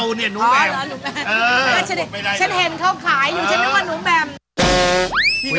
ว่าไงหนูแบม